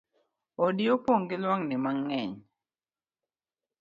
Odi opong gi luangni mangeny